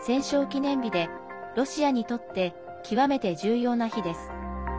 記念日でロシアにとって極めて重要な日です。